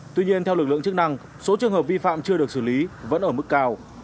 tuy nhiên theo lực lượng chức năng số trường hợp vi phạm chưa được xử lý vẫn ở mức cao